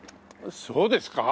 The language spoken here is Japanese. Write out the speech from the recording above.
そうですか？